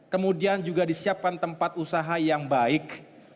kemudian juga disiapkan tempat usaha yang baik